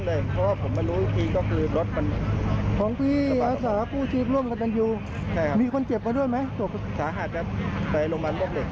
สาหัสนะครับไปโรงพยาบาลรบเหล็ก